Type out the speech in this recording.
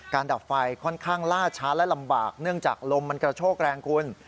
ดับไฟค่อนข้างล่าช้าและลำบากเนื่องจากลมมันกระโชกแรงคุณ